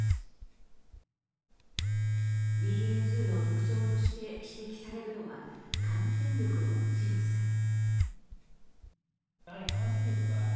ＢＡ．２の特徴として指摘されるのは、感染力の強さ。